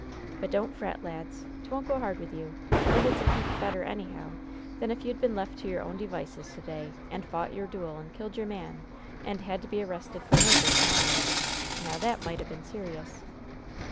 But don't fret, lads. 'Twon't go hard with you. And it's a heap better, anyhow, than if you'd been left to your own devices to day, and fought your duel and killed your man, and had to be arrested for murder to morrow. Now, that might o' been serious."